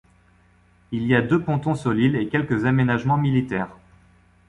Il y a deux pontons sur l'île et quelques aménagements militaires.